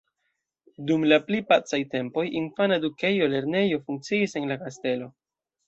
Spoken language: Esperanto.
Dum la pli pacaj tempoj infana edukejo, lernejo funkciis en la kastelo.